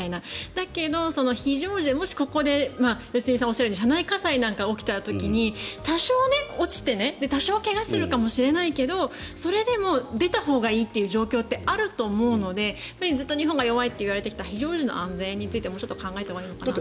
だけど、非常時もしここで良純さんがおっしゃるように車内火災が起こった時に多少、落ちて多少怪我をするかもしれないけどそれでも出たほうがいいって状況ってあると思うのでずっと日本が弱いといわれてきた非常時の安全についてもちょっと考えたほうがいいのかなと。